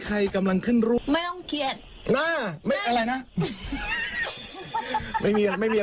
ใครกำลังเข้นรูปไม่ต้องเครียดหน้าไม่อะไรนะไม่มี